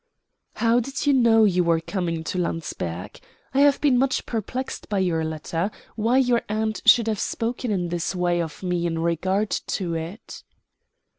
"How did you know you were coming to Landsberg? I have been much perplexed by your letter, why your aunt should have spoken in this way of me in regard to it."